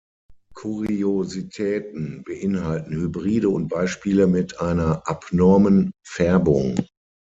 Kuriositäten beinhalten Hybride und Beispiele mit einer abnormen Färbung.